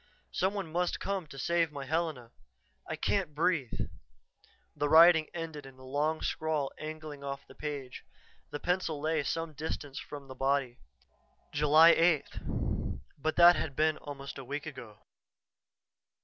Some one must come to save my Helena. I can't breathe " The writing ended in a long scrawl angling off the page. The pencil lay some distance from the body. July 8th! But that had been almost a week ago!